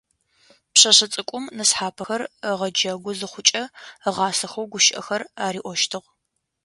Пшъэшъэ цӏыкӏум нысхъапэхэр ыгъэджэгу зыхъукӏэ, ыгъасэхэу гущыӏэхэр ариӏощтыгъ.